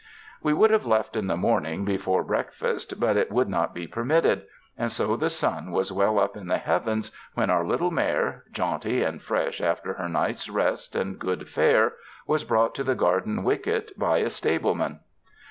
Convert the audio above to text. We would have left in the morning before break fast, but it would not be permitted, and so the sun was well up in the heavens when our little mare, jaunty and fresh after her night's rest and good fare, was brought to the garden wicket by a stable man.